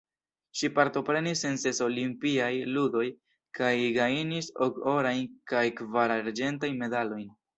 Ŝi partoprenis en ses Olimpiaj Ludoj kaj gajnis ok orajn kaj kvar arĝentajn medalojn.